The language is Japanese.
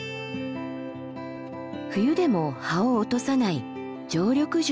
冬でも葉を落とさない常緑樹の森。